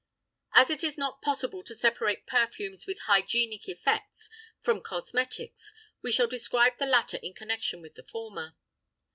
As it is not possible to separate perfumes with hygienic effects from cosmetics, we shall describe the latter in connection with the former.